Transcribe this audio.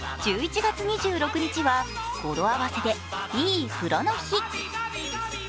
１１月２６日は語呂合わせで、いい風呂の日。